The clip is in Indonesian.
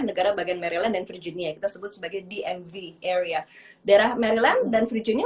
negara bagian maryland dan virginia kita sebut sebagai dmv area daerah maryland dan virginia